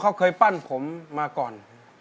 เขาเคยปั้นผมมาก่อน